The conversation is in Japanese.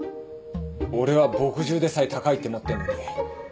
俺は墨汁でさえ高いって思ってるのに。